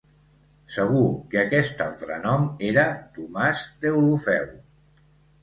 Segur que aquest altre nom era «Tomàs Deulofeu».